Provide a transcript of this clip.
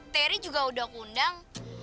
terry juga udah aku undang